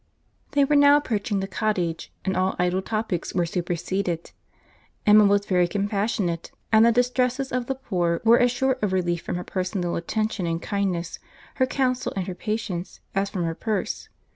They were now approaching the cottage, and all idle topics were superseded. Emma was very compassionate; and the distresses of the poor were as sure of relief from her personal attention and kindness, her counsel and her patience, as from her purse.